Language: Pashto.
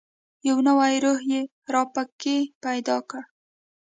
یو نوی روح یې را پکښې پیدا کړ.